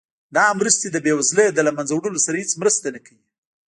دا مرستې د بیوزلۍ د له مینځه وړلو سره هیڅ مرسته نه کوي.